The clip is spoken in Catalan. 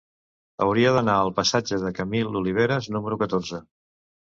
Hauria d'anar al passatge de Camil Oliveras número catorze.